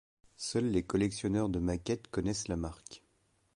Seuls les collectionneurs de maquettes connaissent la marque.